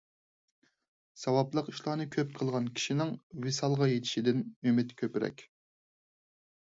ساۋابلىق ئىشلارنى كۆپ قىلغان كىشىنىڭ ۋىسالغا يېتىشىدىن ئۈمىد كۆپرەك.